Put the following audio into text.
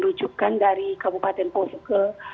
rujukan dari kabupaten pusuk